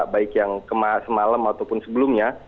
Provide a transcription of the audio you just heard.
baik yang semalam ataupun sebelumnya